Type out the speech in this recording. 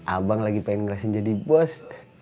abang lagi pengen ngerasain jadi bos